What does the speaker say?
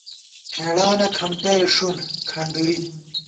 ہېڑانہ کھمٹَئےݭُنڈ (کھنڈُری)